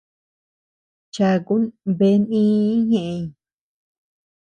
Chakun bea nïi ñëʼeñ.